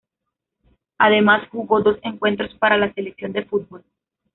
Además, jugó dos encuentros para la selección de fútbol.